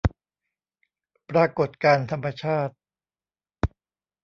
ปรากฎการณ์ธรรมชาติ